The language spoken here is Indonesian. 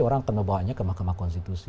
orang kena bawanya ke mahkamah konstitusi